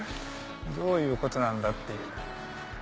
どういうことなんだ？っていう。